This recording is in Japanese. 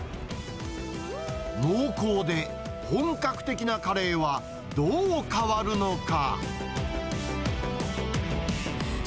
濃厚で本格的なカレーは、どう変わるのか。